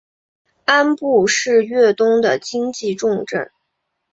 庵埠是粤东的经济重镇。